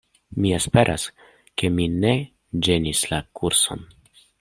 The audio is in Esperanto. Mi esperas ke mi ne ĝenis la kurson.